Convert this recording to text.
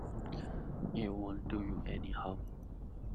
It won't do you any harm.